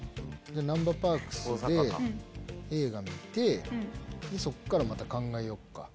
なんばパークスで映画見てそっからまた考えようか。